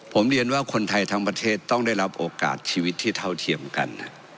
ผมเรียนว่าคนไทยทั้งประเทศต้องได้รับโอกาสชีวิตที่เท่าเทียมกัน